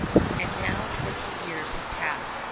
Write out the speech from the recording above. And now twenty years had passed.